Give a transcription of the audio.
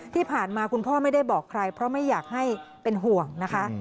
ที่ผ่านมาคุณพ่อไม่ได้บอกใครเพราะไม่อยากให้เป็นห่วงนะคะ